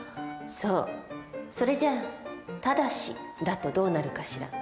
それじゃあ「ただし」だとどうなるかしら。